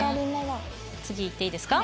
次いっていいですか？